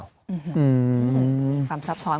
ความซับซ้อน